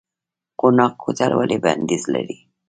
قوناق کوتل ولې بندیز لري؟